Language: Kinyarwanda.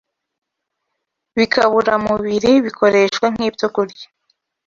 bikaburamubiri bikoreshwa nk’ibyokurya.